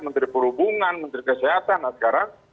menteri perhubungan menteri kesehatan nah sekarang